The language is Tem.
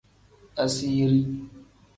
Asiiri.